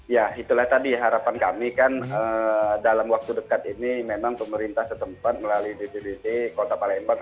ya itulah tadi harapan kami kan dalam waktu dekat ini memang pemerintah setempat melalui dpd kota palembang